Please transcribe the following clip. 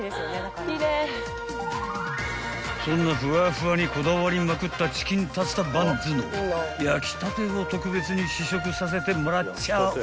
［そんなふわふわにこだわりまくったチキンタツタバンズの焼きたてを特別に試食させてもらっちゃう］